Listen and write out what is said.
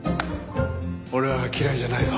俺は嫌いじゃないぞ。